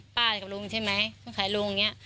ป้ากับลุงใช่ไหมสงสัยลุงอย่างเงี้ย